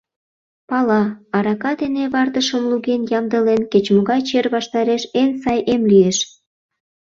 Пала: арака дене вартышым луген ямдылен, кеч-могай чер ваштареш эн сай эм лиеш.